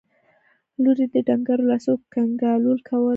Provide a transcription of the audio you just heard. لور يې په ډنګرو لاسو کنګالول کول.